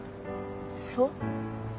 そう？